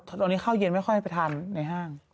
ตอนนี้ข้าวเย็นไม่ค่อยไปทานในห้าง